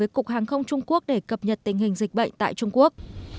và các cục hàng không trung quốc để cập nhật tình hình dịch bệnh tại trung quốc